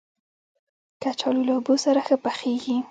کچالو له اوبو سره ښه پخېږي